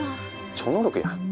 超能力やん。